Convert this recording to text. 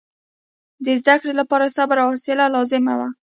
د زده کړې لپاره صبر او حوصله لازمي وه.